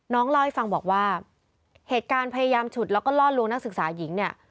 เล่าให้ฟังบอกว่าเหตุการณ์พยายามฉุดแล้วก็ล่อลวงนักศึกษาหญิงเนี่ย